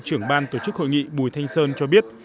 trưởng ban tổ chức hội nghị bùi thanh sơn cho biết